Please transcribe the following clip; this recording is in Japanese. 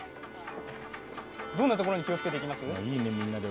どんなところに気をつけていきます？